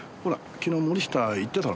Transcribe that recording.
昨日森下言ってたろう。